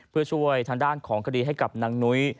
เพื่อช่วยทางด้านของคดีให้กับนางนุ้ย